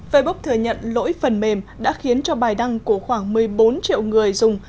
facebook thừa nhận lỗi phần mềm đã khiến cho bài đăng của khoảng một mươi bốn triệu người dùng